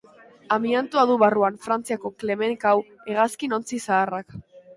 Amiantoa du barruan Frantziako Clemenceau hegazkin ontzi zaharrak.